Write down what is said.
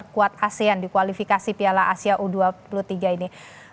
kuat asean di kualifikasi piala asia u dua puluh tiga ini